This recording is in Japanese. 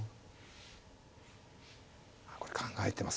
これ考えてますよ。